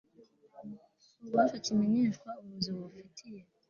ububasha kimenyeshwa ubuyobozi bubifitiye